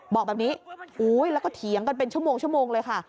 บอกแบบนี้แล้วก็เถียงกันเป็นชั่วโมงชั่วโมงเลยค่ะ